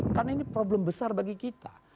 karena ini problem besar bagi kita